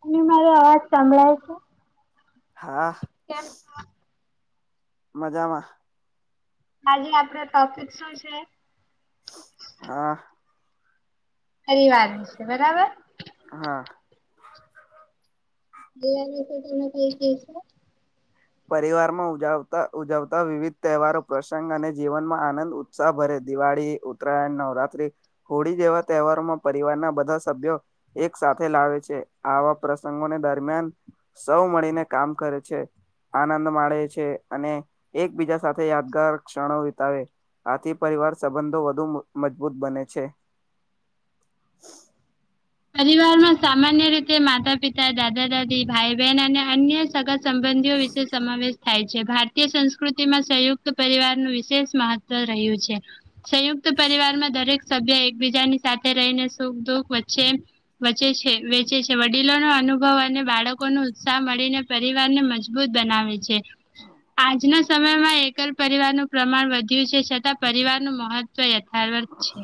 તમને મારો અવાજ સાંભળાય છે. હા મજામાં. આજે આપડે ટોપિક શું છે? હા. ફરીવાર છે બરાબર. હા. પરિવાર વિશે તમે કઈ કેહસો. પરિવાર માં ઉજવતા ઉજવતા વિવિધ તહેવારો, પ્રસંગ અને જીવનમાં આનંદ સાભરે દિવાળી, ઉત્તરાયણ, નવરાત્રી હોળી જેવા તહેવારોમાં પરિવારના બધા સભ્યો એક સાથે લાવે છે આવા પ્રસંગોને દરમિયાન સૌ મળીને કામ કરે છે. આનંદ માળે છે અને એકબીજા સાથે યાદગાર ક્ષણો વિતાવે આથી પરિવાર સંબંધો વધુ મજબૂત બને છે. [inaudible] પરિવાર માં સામાન્ય રીતે માતા પિતા દાદા દાદી ભાઈ બહેન અને અન્ય સગા સંબંધીઓ વિશે સમાવેશ થાય છે ભારતીય સંસ્કૃતિમાં સંયુક્ત પરિવારનું વિશેષ મહત્વ રહ્યું છે. સંયુક્ત પરિવારમાં દરેક સભ્ય એકબીજાની સાથે રહીને સુખ દુઃખ વચ્ચે વચે છે વેચે છે વડીલો નો અનુભવ અને બાળકો નું ઉત્સાહ મળીને પરિવાર ને મજ જબૂત બનાવે છે આજના સમયમાં એકલ પરિવારનું પ્રમાણ વધ્યું છે. છતાં પરિવાર નું મહત્વ યથાવત છે.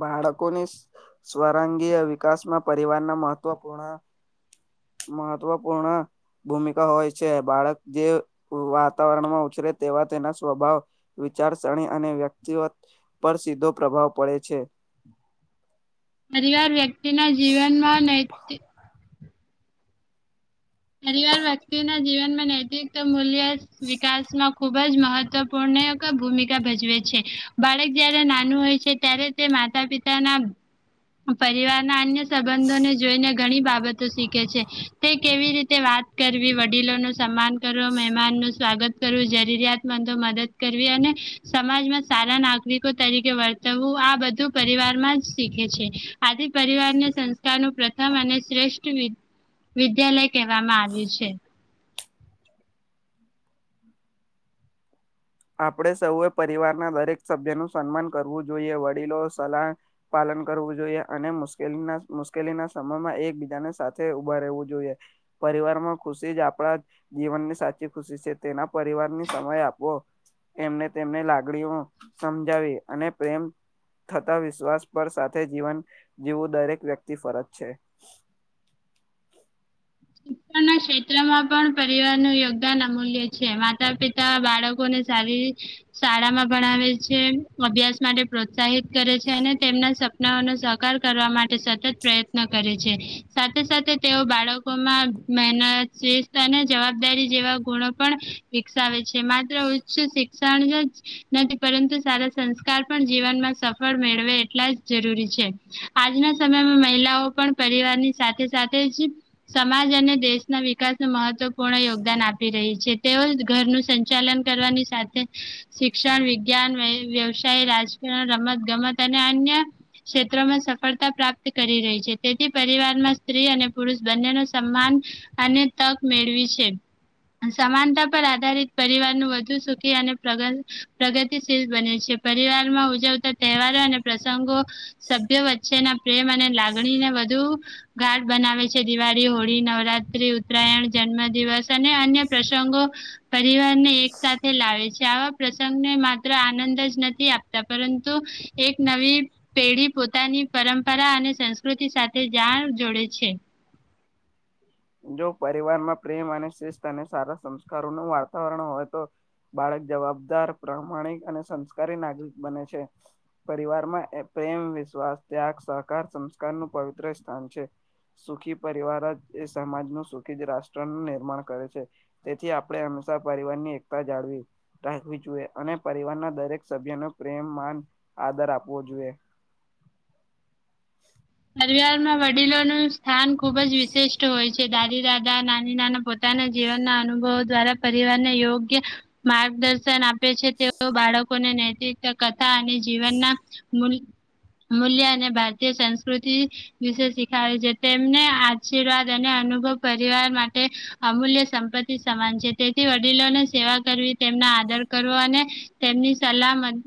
બાળકોની સ્વરંગીય વિકાસમાં પરિવારના મહત્વપૂર્ણ મહત્ત્વપૂર્ણ ભૂમિકા હોય છે. બાળક જે વાતાવરણમાં ઉછરે તેવા તેના સ્વભાવ વિચારસરણી અને વ્યક્તિત્વ પર સીધો પ્રભાવ પડે છે. પરિવાર વ્યક્તિ ના જીવનમાં નૈતિક પરિવાર વ્યક્તિના જીવનમાં નૈતિક મૂલ્ય વિકાસમાં ખૂબ જ મહત્વપૂર્ણ ભૂમિકા ભજવે છે. બાળક જય્યારે નાનું હોય છે ત્યારે તે માતા પિતાના પરિવારના અન્ય સંબંધોને જોઈને ઘણી બાબત શીખે છે તે કેવી રી તે વાત કરવી, વડીલો નું સન્માન કરવુ, મહેમાન નું સ્વાગત કરવું, જરૂરિયાતમંદો મદદ કરવી અને સમાજમાં સારા નાગરિકો તરીકે વર્તવવું આ બધું પરિવારમાં જ શીખે છે. આથી પરિવારને સંસ્કારનું પ્રથમ અને શ્રેષ્ઠ વિદ્યાલય કહેવામાં આવ્યું છે. આપડે સૌએ પરિવારના દરેક સભ્ય નું સન્માન કરવું જોઈએ વડીલો સલાહ પાલન કરવું જોઈએ અને મુશ્કેલી મુશ્કેલીના સમયમાં એકબીજાને સાથે ઉભા રહેવું જોઈએ. પરિવાર માં ખુશી જ આપડા જીવનની સાચી ખુશી છે. તેના પરિવારને સમય આપવો એમને તેમને લાગણીઓ સમજાવી અને પ્રેમ થતા વિશ્વાસ પર સાથે જીવન જીવું દરેક વ્યક્તિ ફરજ છે. [unintelligible] ક્ષેત્રમાં પણ પરિવાર નું યોગદાન અમૂલ્ય છે. માતા પિતા બાળકો ને સારી શાળામાં ભણાવે છે. અભ્યાસ માટે પ્રોત્સાહિત કરે છે અને તેમના સપનાઓને સાકાર કરવા માટે સતત પ્રયત્ન કરે છે સાથે સાથે તેઓ બાળકોમાં મહેનત શિસ્ત અને જવાબદારી જેવા ગુણો પણ વિકસાવે છે માત્ર ઉચ્ચ શી શણનું જ નથી પરંતુ સારા સંસ્કાર પણ જીવનમાં સફળ મેળવે એટલા જ જરૂરી છે. આજના સમયમાં મહિલાઓ પણ પરિવારની સાથે સાથે જ સમાજ અને દેશના વિકાસનું મહત્વપૂર્ણ યોગદાન આ પી રહી છે. તેઓ ઘરનું સંચાલન કરવાની સાથે શિક્ષણ, વિજ્ઞાન, વ્યવસાય, રાજકારણ, રમત ગમત અને અન્ય ક્ષેત્રોમાં સફળતા પ્રાપ્ત કરી રહી છે. તેથી પરિવારમાં સ્ત્રી અને પુરુષ બંને નું સન્માન અને તક મેળવી છે. સમાનતા પર આધારિત પરિવાર નુ વધુ સુખી અને પ્રગ તી શીલ બને છે. પરિવાર માં ઉજવતા તહેવારો અને પ્રસંગો સભ્યો વચ્ચેના પ્રેમ અને લાગણીને વધુ ગાઢ બનાવે છે. દિવાળી, હોળી, નવરા ત્રી ઉત્તરાયણ, જન્મ દિવસ અને અન્ય પ્રસંગો પરિવારને એક સાથે લાવે છે. આવા પ્રસંગને માત્ર આનંદ જ નથી આપતા પરંતુ એક નવી પેઢી પોતાની પરંપરા અને સંસ્કૃતિ સાથે જાળ જોડે છે. જો પરિવારમાં પ્રેમ અને શિસ્ત અને સારા સંસ્કારોનું વાતાવરણ હોય તો બાળક જવાબદાર, પ્રમાણિક અને સંસ્કારી નાગરિક બને છે. પરિવારમાં પ્રેમ, વિશ્વાસ, ત્યાગ, સહકાર, સંસ્કારનું પવિત્ર સ્થાન છે. સુખી પરિવાર જ એ સમાજનું સુખી રાષ્ટ્ર નિર્માણ કરે છે. તેથી આપણે હંમેશા પરિવારની એકતા જાળવી રાખવી જોઈએ અને પરિવારના દરેક સભ્યને પ્રેમ, માન આદર આપવો જોઈએ. પરિવારમાં વડીલોનું સ્થાન ખુબ જ વિશિષ્ટ હોય છે. દાદી-દાદા, નાની-નાના પોતા ના જીવનના અનુભવો દ્વારા પરિવારને યોગ્ય માર્ગદર્શન આપે છે. તેઓ બાળકોને નૈતિક કથા અને જીવનના મૂલ્ મૂલ્ય અને ભારતીય સંસ્કૃતિ વિશે શીખવાડ્યું છે તેમને આશીર્વાદ અને અનુભવ પરિવાર માટે. અમૂલ્ય સંપત્તિ સમાન છે તેથી વડીલોને સેવા કરવી તેમના આદર કરવો અને તેમની સલામત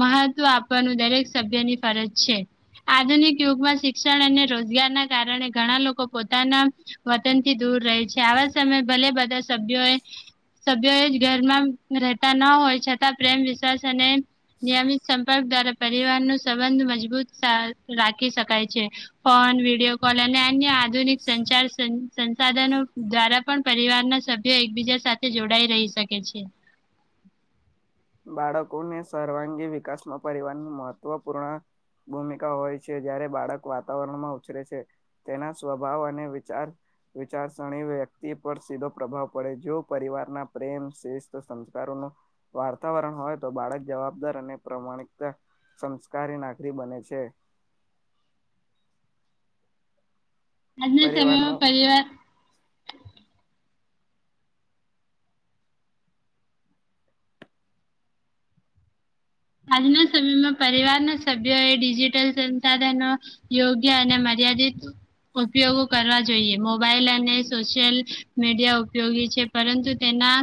મહત્વ આપવાનું દરેક સભ્યની ફરજ છે આધુનિક યુગમાં શિક્ષણ અને રોજગાર ના કારણે ઘણા લોકો પોતાના વતનથી દૂર રહે છે આવા સમયે ભલે બધા સભ્યોએ સભ્યો એ જ ઘરમાં રહેતા ન હોય છતાં પ્રેમ વિશ્વાસ અને નિયમિત સંપર્ક દ્વારા પરિવાર ન સંબંધ મજબૂત રાખ ખી શકાય છે ફોન વિડીયો લ અને અન્ય આધુનિક સંચાર સંસાધનો દ્વારા પણ પરિવાર ના સભ્યો એકબીજા સાથે જોડાઈ રહી શકે છે. બાળકોને સર્વાંગી વિકાસમાં પરિવારની મહત્વપૂર્ણ ભૂમિકા હોય છે જયારે બાળક વાતાવરણમાં ઉછરે છે તેના સ્વભાવ અને વિચાર વિચારસરણી વ્યક્તિ પર સીધો પ્રભાવ પડે જો પરિવારના પ્રેમ શિસ્ત સંસ્કારોનો વાર વાતાવરણ હોય તો બાળક જવાબદાર અને પ્રમાણિકતા સંસ્કારી નાગરી બને છે. આજના સમયમાં પરિવારનું પહેલીવાર હાલના સમયમાં પરિવારના સભ્યો એ ડિજિટલ સંસાધનો યોગ્ય અને મર્યાદિત ઉપયોગો કરવા જોઈએ મોબાઈલ અને સોશિયલ મીડિયા ઉપયોગી છે. પરંતુ તેના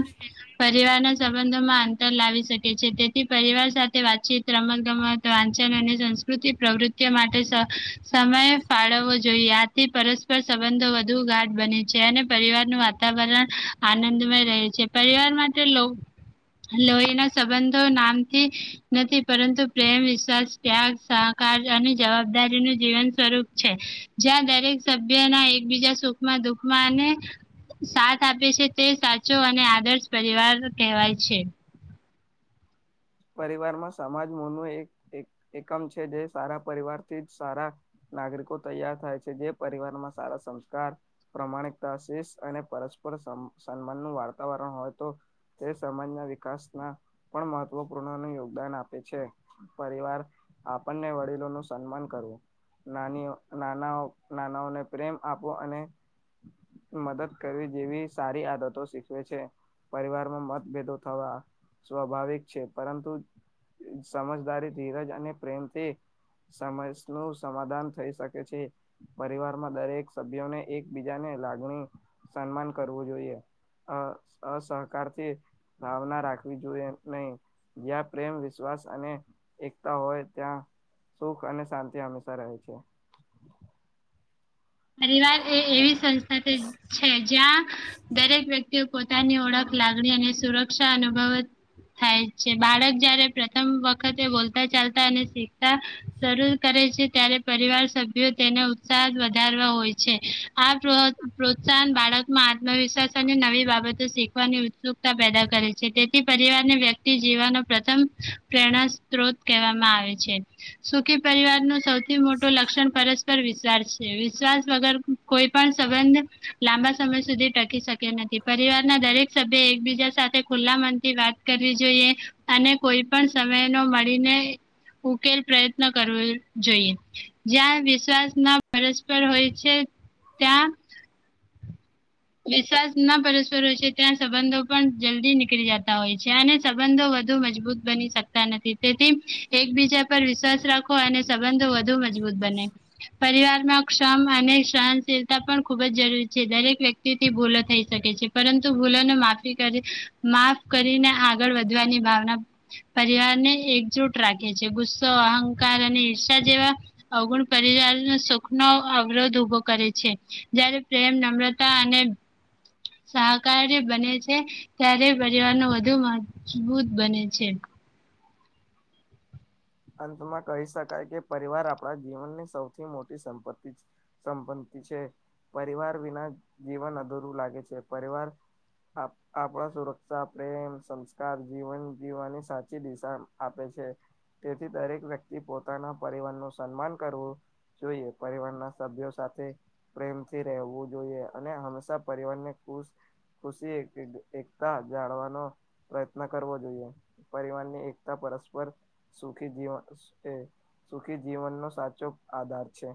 પરિવારના સંબંધોમાં અંતર લાવી શકે છે તેથી પરિવાર સાથે વાતચીત રમતગમત વાંચન અને સંસ્કૃતિ પ્રવૃત્તિઓ માટે સમય ફાળવવો જોઈએ આથી પરસ્પર સંબંધો વધુ ગાઢ બની છે અને પરિવાર ન વાતાવરણ આનંદમય રહે છે પરિવાર માટે લો લોહીના સંબંધો નામથી નથી પર પરંતુ પ્રેમ વિશ્વાસ ત્યાગ સહકાર અને જવાબદારી નું જીવન સ્વરૂપ છે. જ્યાં દરેક સભ્યના એકબીજા સુખમાં દુખમાં અને સાથ આપે છે તે સાચો અને આદર્શ પરિવાર કહેવાય છે. પરિવારમાં સમાજ મો ન એક એકમ છે જે સારા પરિવારથી જ સારા નાગરિકો તૈયાર થાય છે જે પરિવારમાં સારા સંસ્કાર પ્રમાણિકતા શષ અને પરસ્પર સન્માનનું વાતાવરણ હોય તો તે સમાજના વિકાસના પણ મહત્વ મહપૂર્ણ નું યોગદાન આપે છે પરિવાર આપણને વડીલો નું સન્માન કરવું નાની નાના નાનાઓને પ્રેમ આપો અને મદદ કરવી જેવી સારી આદતો શીખવે છે. પરિવારમાં મતભેદો થવા સ્વાભાવિક છે પરંતુ સમજદારી ધીરજ અને પ્રેમથી સમસ નું સમાધાન થઈ શકે છે. પરિવારમાં દરેક સભ્યોને એકબીજાને લાગણી સન્માન કરવું જોઈએ. અ અસહકારથી ભાવના રાખવી જોઈએ નહી. જ્યાં પ્રેમ વિશ્વાસ અને એકતા હોય ત્યાં સુખ અને શાંતિ હંમેશા રહે છે. પરિવાર એ એવી સંસ્થા છે જ્યાં દરેક વ્યક્તિ તે પોતાની ઓળખ લાગણી અને સુરક્ષા અનુભવ થાય છે બાળક જયારે પ્રથમ વખતે બોલતા ચાલતા અને શીખતા શરૂ કરે છે ત્યારે પરિવાર સભ્યો તેને ઉત્સાહ વધારે વધારવા હોય છે આ પ્રોત્સાહન બાળકમાં આત્મવિશ્વાસ અને નવી બાબત શીખવાની ઉત્સુકતા પેદા કરે છે તેથી પરિવારને વ્યક્તિ જીવવાનો પ્રથમ પેરણા સ્ત્રોત કહેવામાં આવે છે સુખી પરિવાર નું સૌથી મોટું લક્ષણ પરસ્પર વિશ્વાર છે વિશ્વાસ વગર કોઈ પણ સંબંધ લાંબા સમય સુધી ટકી શક્યો નથી. પરિવાર ના દરેક સભ્ય એકબીજા સાથે ખુલ્લા મન થી વાત કરવી જોઈએ. અને કોઈ પણ સમય નો મળીને. ઉકેલ પ્રયત્ન કરવો જોઈએ જ્યાં વિશ્વાસ ના પરસ્પર હોય છે ત્યાં વિશ્વાસ ના પરસ્પર હોય છે ત્યાં સંબંધો પણ જલ્દી નીકળી જતા હોય છે અને સંબંધો વધુ મજબૂત બની શકતા નથી તેથી એકબીજા પર વિશ્વાસ રાખો અને સંબંધો વધુ મજા મજબૂત પરિવારમાં ક્ષમ અને સનશીલતા પણ ખૂબ જ જરૂરી છે દરેક વ્યક્તિ થી ભૂલો થઈ શકે છે પરંતુ ભૂલો માફ કરીને આ આગળ વધવાની ભાવના પરિવારને એકજુટ રાખે છે ગુસ્સો અહંકાર અને ઈર્ષા જેવા અવગુણ પરિવાર સુખ નુ અવરોધ ઉભો કરે છે જય્યારે પ્રેમ નમ્ર તા અને સહકારી બને છે ત્યારે પરિવાર વધુ મજબૂત બને છે. અંતમાં કહી શકાય કે પરિવાર આપણા જીવનની સૌથી મોટી સંપત્તિ છે. સંપત્તિ છે પરિવાર વિના જીવન અધૂરું લાગે છે પરિવાર આપ આપણા સુરક્ષા પ્રેમ સંસ્કાર જીવન જીવવાની સાચી દિશા આપે છે. તેથી દરેક વ્યક્તિ પોતાના પરિવાર નું સન્માન કરવું જોઈએ પરિવારના સભ્યો સાથે પ્રેમથી રહેવું જોઈએ અને હંમેશા પરિવાર ને ખુશ ખુશી એ એકતા જાણવાનો પ્રયત્ન કરવો જોઈએ પરિવારની એકતા પરસ્પર સુખી જીવન એ સુખી જીવનનો સાચો આધાર છે.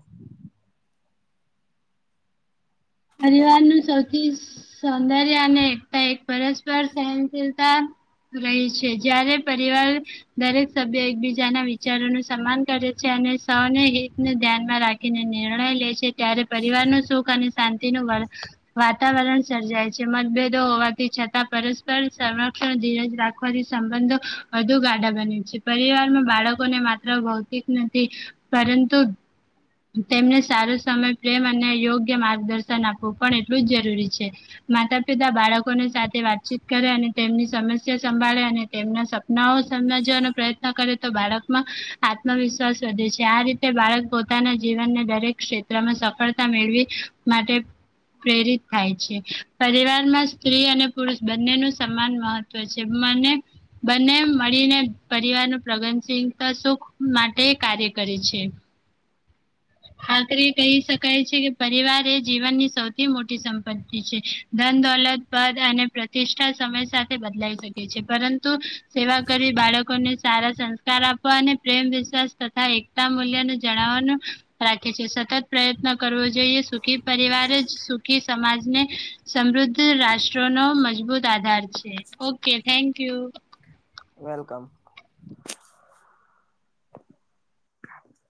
પરિવાર નું સૌથી સૌંદર્ય અને એકતા એક પરસ્પર સહનશીલતા રહી છે જય્યારે પરિવાર દરેક સભ્ય એકબીજાના વિચારો નું સન્માન કરે છે અને સૌને હિતને ધ્યાનમાં રાખીને નિર્ણય લે છે ત્યારે પરિવાર નું સુખ અને શાંતિનું વાતાવરણ સર્જાય છે મતભેદો હોવાથી છતાં પર સંરક્ષણ ધીરજ રાખવાથી સંબંધો વધુ ગાઢા બને છે. પરિવારમાં બાળકોને માત્ર ભૌતિક નથી પરંતુ તેમને સારો સમય પ્રેમ અને યોગ્ય માર્ગદર્શન આપવું પણ એટલું જ જરૂરી છે. માતા પિતા બાળકોની સાથે વાતચીત કરે અને તેમની સમસ્યા સંભાળે અને તેમના સભ્યો નવ સમજવાનો પ્રયત્ન કરે તો બાળકમાં આત્મવિશ્વાસ વધે છે આ રીતે બાળક પો પોતાના જીવનને દરેક ક્ષેત્રમાં સફળતા મેળવી માટે પ્રેરિત થાય છે પરિવાર માં સ્ત્રી અને પુરુષ બંને નુ સન્માન મહત્વ હોય છે મને બંને મળીને પરિવાર નું પ્રગનશીલતા સુખ માટે કાર્ય કરે છે. આતરી એ કહી શકાય છે કે પરિવાર એ જીવનની સૌથી મોટી સંપત્તિ છે. ધન દોલત પદ અને પ્રતિષ્ઠા સમય સાથે બદલાઈ શકે છે પરંતુ સેવા કરી બાળકોને સારા સંસ્કાર આપવા અને પ્રેમ વિશ્વાસ તથા એ તા મૂલ્ય નું જણાવવાનું રાખે છે સતત પ્રયત્ન કરવો જોઈએ સુખી પરિવાર જ સુખી સમાજને. સમૃદ્ધ રાષ્ટ્રો નો મજબૂત આધાર છે ઓકે થેન્કયુ. વેલકમ.